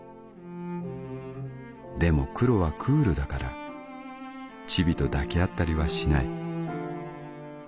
でもクロはクールだからチビと抱き合ったりはしない。